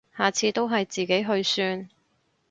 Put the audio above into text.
下次都係自己去算